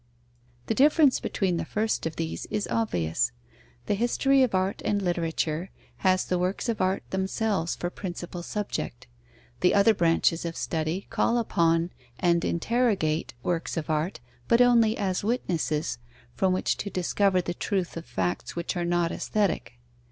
The difference between the first of these is obvious. The history of art and literature has the works of art themselves for principal subject; the other branches of study call upon and interrogate works of art, but only as witnesses, from which to discover the truth of facts which are not aesthetic.